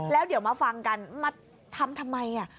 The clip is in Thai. แล้วเดี๋ยวมาฟังกันมาทำทำไม